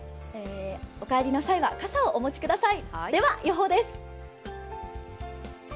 お帰りの際は傘をお持ちください。